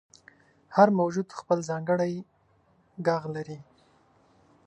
• هر موجود خپل ځانګړی ږغ لري.